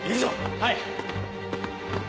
はい。